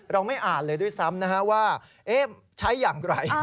เราไม่อ่านเลยด้วยซ้ำนะว่าเอ๊ะใช้อย่างไร